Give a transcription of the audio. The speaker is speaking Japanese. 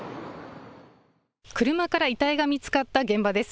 車から遺体が見つかった現場です。